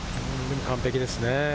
完璧ですね。